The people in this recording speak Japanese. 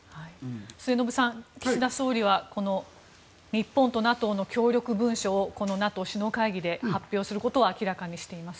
末延さん、岸田総理は日本とＮＡＴＯの協力文書をこのＮＡＴＯ首脳会議で発表することを明らかにしています。